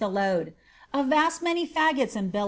the load ( a vast many fngota and bil.